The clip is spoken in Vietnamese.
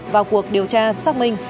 vào cuộc điều tra xác minh